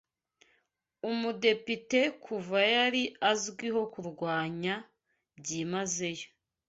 Umudepite kuva yari azwiho kurwanya byimazeyo